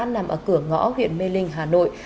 nằm ở cửa ngõ huyện mê linh hà nội